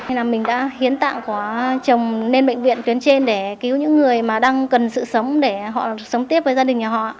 nên là mình đã hiến tạng có chồng lên bệnh viện tuyến trên để cứu những người mà đang cần sự sống để họ sống tiếp với gia đình nhà họ